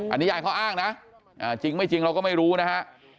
อันนี้ยายเขาอ้างนะจริงไม่จริงเราก็ไม่รู้นะฮะ